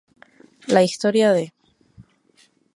La historia de